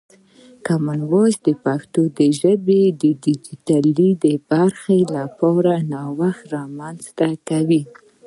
کامن وایس د پښتو ژبې د ډیجیټل برخې لپاره نوښت رامنځته کوي.